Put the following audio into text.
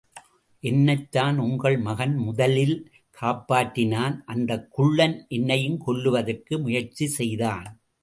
என்னைத்தான் உங்கள் மகன் முதலில் காப்பாற்றினான், அந்தக் குள்ளன் என்னையும் கொல்லுவதற்கு முயற்சி செய்தான்.